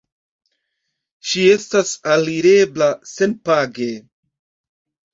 Ŝi estas alirebla senpage.